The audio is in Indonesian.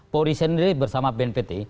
pauli sendri bersama bnpt